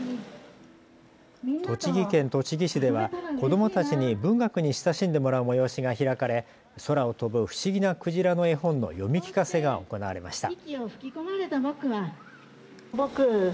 栃木県栃木市では子どもたちに文学に親しんでもらう催しが開かれ空を飛ぶ不思議なクジラの絵本の読み聞かせが行われました。